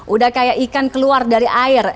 udah kayak ikan keluar dari air